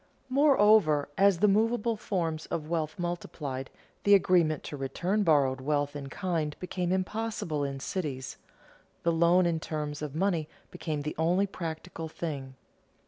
Moreover, as the movable forms of wealth multiplied, the agreement to return borrowed wealth in kind became impossible in cities; the loan in terms of money became the only practicable thing.